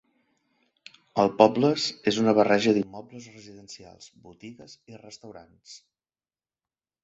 El pobles és una barreja d'immobles residencials, botigues i restaurants.